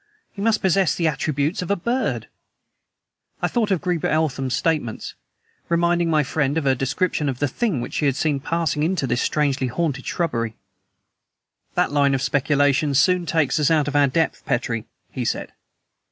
He must possess the attributes of a bird." I thought of Greba Eltham's statements, reminding my friend of her description of the thing which she had seen passing into this strangely haunted shrubbery. "That line of speculation soon takes us out of our depth, Petrie," he said.